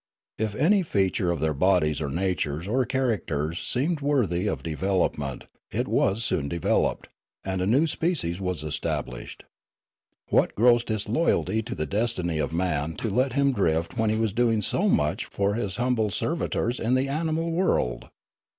If any feature of their bodies or natures or characters seemed worthy of de velopment, it was soon developed, and a new species was established. What gross disloyalty to the destiny of man to let him drift when he was doing so much for his humble servitors in the animal world